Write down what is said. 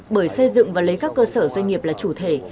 bởi xây dựng và lấy các cơ sở doanh nghiệp là chủ thể